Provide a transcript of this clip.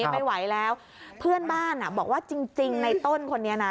ไม่ไหวแล้วเพื่อนบ้านอ่ะบอกว่าจริงในต้นคนนี้นะ